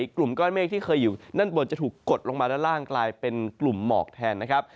กลุ่มก้อนเมฆที่เคยอยู่ด้านบนจะถูกกดลงมาด้านล่างกลายเป็นกลุ่มหมอกแทนนะครับ